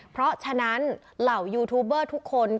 เพราะฉะนั้นเหล่ายูทูบเบอร์ทุกคน